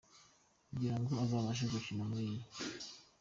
Kugira ngo azabashe gukina muri iyi.